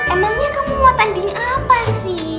emangnya kamu mau tanding apa sih